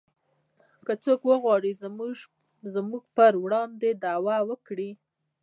که څوک وغواړي زموږ په وړاندې دعوه وکړي